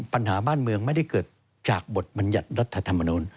ปัญหาบ้านเมืองไม่ได้เกิดจากบทบรรยัติรัฐธรรมนูล